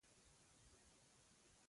هغه څوک چې د خپل ژوند څخه شکایت نه کوي.